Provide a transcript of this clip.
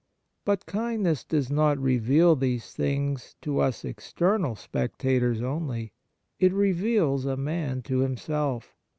But kindness does not reveal these things to us external spectators only. It reveals a man to himself.